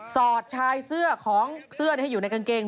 อดชายเสื้อของเสื้อที่อยู่ในกางเกง